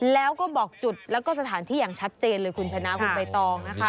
แล้วก็บอกจุดแล้วก็สถานที่อย่างชัดเจนเลยคุณชนะคุณใบตองนะคะ